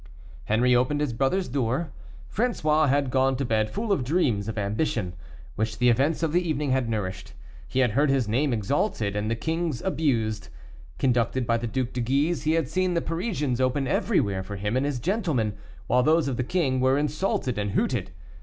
Henri opened his brother's door. François had gone to bed full of dreams of ambition, which the events of the evening had nourished; he had heard his name exalted, and the king's abused. Conducted by the Duc de Guise, he had seen the Parisians open everywhere for him and his gentlemen, while those of the king were insulted and hooted.